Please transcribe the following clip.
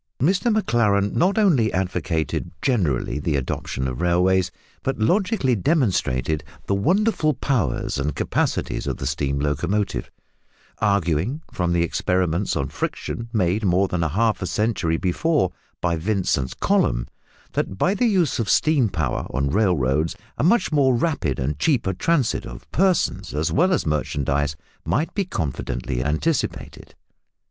Mr Maclaren not only advocated generally the adoption of railways, but logically demonstrated the wonderful powers and capacities of the steam locomotive, arguing, from the experiments on friction made more than half a century before by Vince and Colomb, that by the use of steam power on railroads a much more rapid and cheaper transit of persons as well as merchandise might be confidently anticipated.